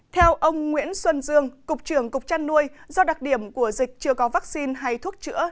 theo ông nguyễn xuân dương cục trưởng cục trăn nuôi do đặc điểm của dịch chưa có vaccine hay thuốc chữa